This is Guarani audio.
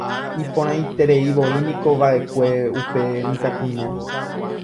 Iporãitereivoínikova'ekue upe mitãkuña